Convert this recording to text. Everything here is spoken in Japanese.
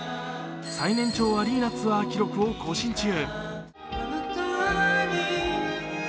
最年長アリーナツアー記録を更新中。